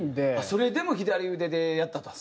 「それでも左腕でやった」と。